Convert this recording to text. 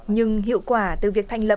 nhưng hiệu quả từ việc thành lập